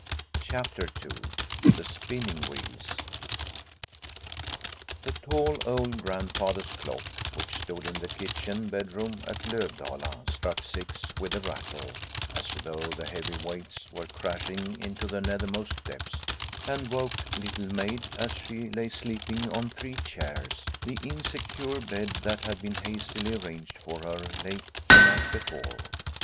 CHAPTER II THE SPINNING WHEELS THE tall old grandfather's clock which stood in the kitchen bedroom at Lovdala struck six with a rattle, as though the heavy weights were crashing into the nethermost depths, and woke Little Maid, as she lay sleeping on three chairs, the insecure bed that had been hastily arranged for her late the night before.